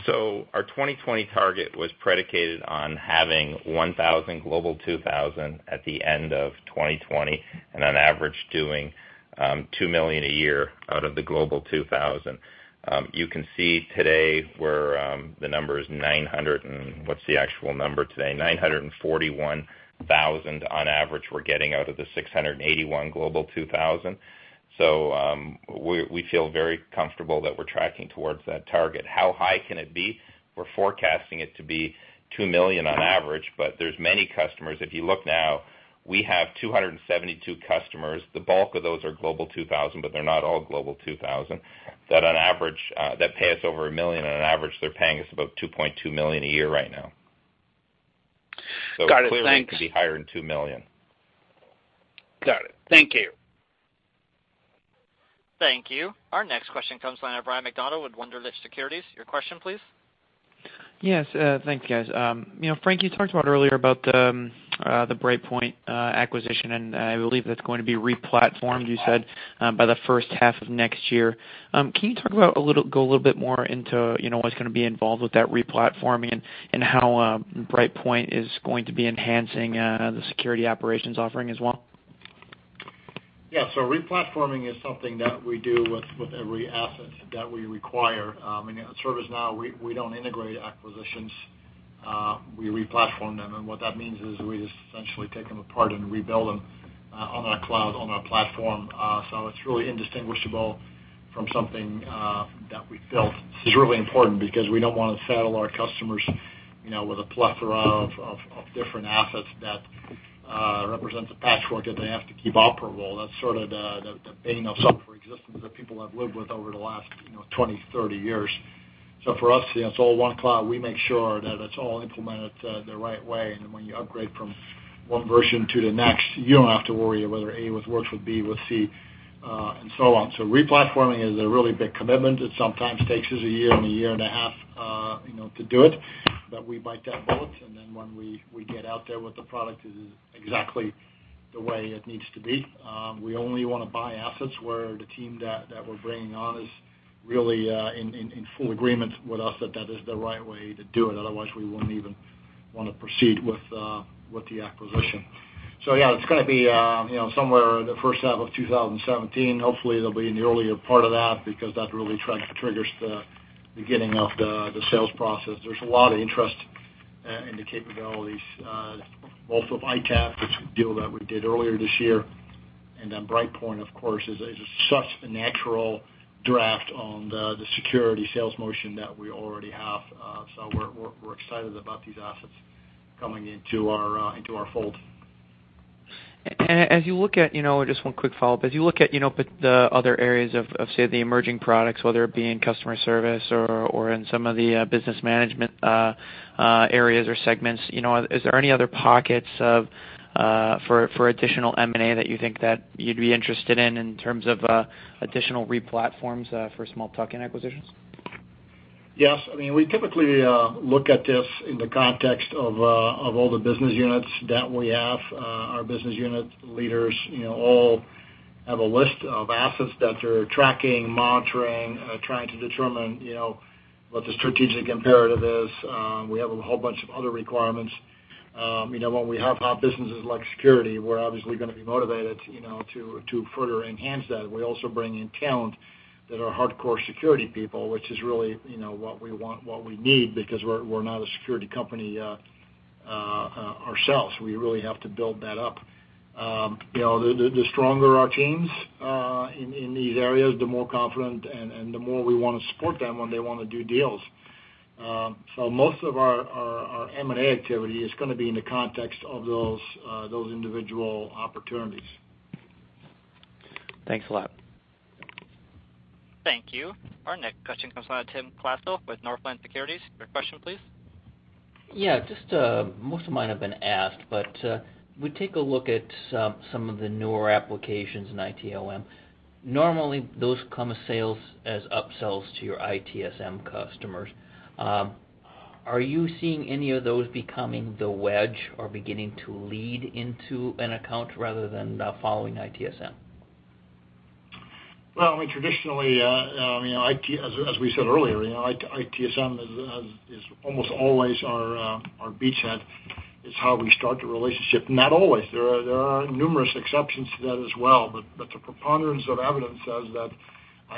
Our 2020 target was predicated on having 1,000 Global 2000 at the end of 2020, and on average, doing $2 million a year out of the Global 2000. You can see today the number is 900 and-- What's the actual number today? $941,000 on average we're getting out of the 681 Global 2000. We feel very comfortable that we're tracking towards that target. How high can it be? We're forecasting it to be $2 million on average, but there's many customers. If you look now, we have 272 customers. The bulk of those are Global 2000, but they're not all Global 2000, that pay us over $1 million, on an average, they're paying us about $2.2 million a year right now. Got it. Thanks. Clearly, it could be higher than 2 million. Got it. Thank you. Thank you. Our next question comes line of Ryan McDonald with Wunderlich Securities. Your question, please. Yes, thanks, guys. Frank, you talked about earlier about the BrightPoint acquisition, and I believe that's going to be re-platformed, you said, by the first half of next year. Can you go a little bit more into what's going to be involved with that re-platforming and how BrightPoint is going to be enhancing the Security Operations offering as well? Yeah. Replatforming is something that we do with every asset that we acquire. In ServiceNow, we don't integrate acquisitions, we replatform them. What that means is we just essentially take them apart and rebuild them on our cloud, on our platform. It's really indistinguishable from something that we built. This is really important because we don't want to saddle our customers with a plethora of different assets that represent the patchwork that they have to keep operable. That's sort of the bane of software existence that people have lived with over the last 20, 30 years. For us, it's all one cloud. We make sure that it's all implemented the right way, and then when you upgrade from one version to the next, you don't have to worry whether A works with B, with C, and so on. Replatforming is a really big commitment. It sometimes takes us a year and a half to do it. We bite that bullet, and then when we get out there with the product, it is exactly the way it needs to be. We only want to buy assets where the team that we're bringing on is really in full agreement with us that is the right way to do it. Otherwise, we wouldn't even want to proceed with the acquisition. Yeah, it's going to be somewhere in the first half of 2017. Hopefully, it'll be in the earlier part of that, because that really triggers the beginning of the sales process. There's a lot of interest in the capabilities, both of ITapp, which we deal that we did earlier this year, and then BrightPoint, of course, is such a natural draft on the security sales motion that we already have. We're excited about these assets coming into our fold. Just one quick follow-up. As you look at the other areas of, say, the emerging products, whether it be in customer service or in some of the business management areas or segments, is there any other pockets for additional M&A that you think that you'd be interested in in terms of additional replatforms for small tuck-in acquisitions? Yes. We typically look at this in the context of all the business units that we have. Our business unit leaders all have a list of assets that they're tracking, monitoring, trying to determine what the strategic imperative is. We have a whole bunch of other requirements. When we have hot businesses like security, we're obviously going to be motivated to further enhance that. We also bring in talent that are hardcore security people, which is really what we want, what we need, because we're not a security company ourselves. We really have to build that up. The stronger our teams in these areas, the more confident and the more we want to support them when they want to do deals. Most of our M&A activity is going to be in the context of those individual opportunities. Thanks a lot. Thank you. Our next question comes from Tim Klasell with Northland Securities. Your question, please. Yeah. Most of mine have been asked, when you take a look at some of the newer applications in ITOM, normally those come as upsells to your ITSM customers. Are you seeing any of those becoming the wedge or beginning to lead into an account rather than following ITSM? Well, traditionally, as we said earlier, ITSM is almost always our beachhead. It's how we start the relationship. Not always. There are numerous exceptions to that as well, the preponderance of evidence says that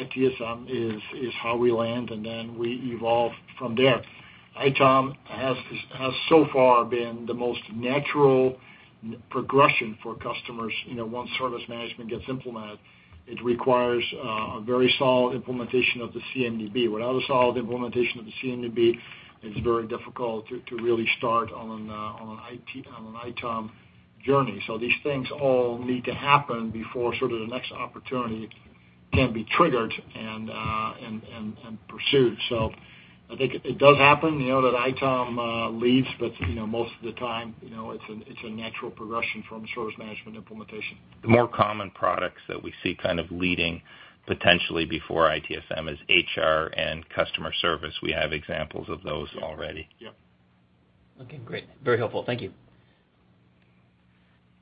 ITSM is how we land, and then we evolve from there. ITOM has so far been the most natural progression for customers. Once service management gets implemented, it requires a very solid implementation of the CMDB. Without a solid implementation of the CMDB, it's very difficult to really start on an ITOM journey. These things all need to happen before the next opportunity can be triggered and pursued. I think it does happen that ITOM leads, most of the time, it's a natural progression from service management implementation. The more common products that we see kind of leading potentially before ITSM is HR and customer service. We have examples of those already. Yep. Okay, great. Very helpful. Thank you.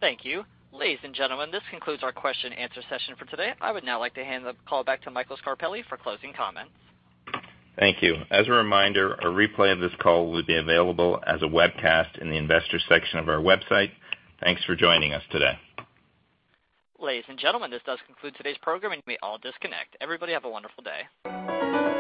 Thank you. Ladies and gentlemen, this concludes our question and answer session for today. I would now like to hand the call back to Michael Scarpelli for closing comments. Thank you. As a reminder, a replay of this call will be available as a webcast in the Investors section of our website. Thanks for joining us today. Ladies and gentlemen, this does conclude today's program, and you may all disconnect. Everybody have a wonderful day.